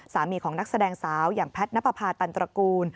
สามีของนักแสดงสาวอย่างแพทย์นปภาตันตระกูล